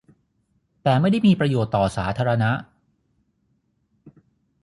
แต่ไม่ได้มีประโยชน์ต่อสาธารณะ